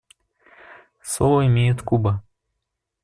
Слово имеет Куба.